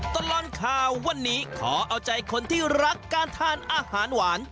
ตลอดข่าววันนี้ขอเอาใจคนที่รักการทานอาหารหวาน